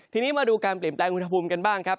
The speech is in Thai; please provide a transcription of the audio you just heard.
ทีนี้มาดูการเปลี่ยนแปลงอุณหภูมิกันบ้างครับ